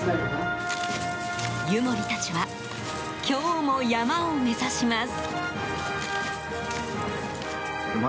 湯守たちは今日も山を目指します。